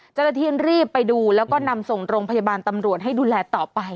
เจ้าหน้าที่รีบไปดูแล้วก็นำส่งโรงพยาบาลตำรวจให้ดูแลต่อไป